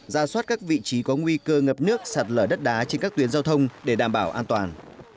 ra soát các vị trí có nguy cơ ngập nước sạt lở đất đá trên các tuyến giao thông để đảm bảo an toàn